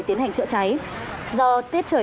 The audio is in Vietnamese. tiến hành trợ cháy do tiết trời